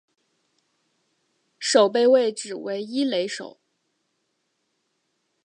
守备位置为一垒手。